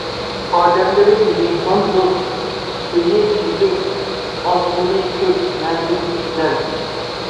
ئادەملىرى مېھماندوست، سۈيى سۈزۈك، ئاسمىنى كۆك، مەنزىرىسى گۈزەل.